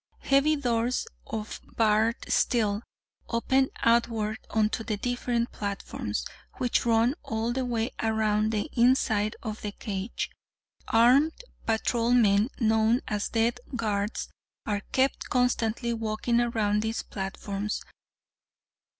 Heavy doors of barred steel open outward onto the different platforms, which run all the way around the inside of the cage. Armed patrolmen, known as death guards, are kept constantly walking around these platforms.